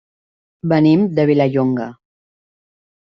Venim de Vilallonga.